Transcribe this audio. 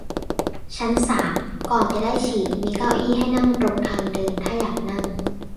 ชั้นสามก่อนจะได้ฉีดมีเก้าอี้ให้นั่งตรงทางเดิน ถ้าอยากนั่ง